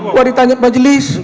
buat ditanya majelis